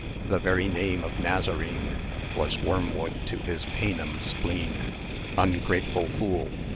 The very name of Nazarene 1040 Was wormwood to his Paynim spleen. Ungrateful fool!